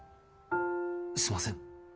すみません。